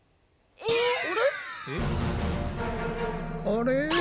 あれ？